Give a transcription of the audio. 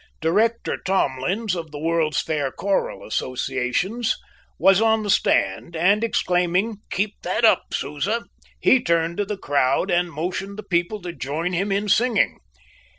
Director Tomlins, of the World's Fair Choral Associations, was on the stand, and exclaiming, "Keep that up, Sousa!" he turned to the crowd and motioned the people to join him in singing.